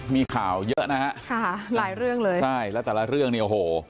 มีข่าวเยอะนะฮะค่ะหลายเรื่องเลยใช่แล้วแต่ละเรื่องเนี่ยโอ้โห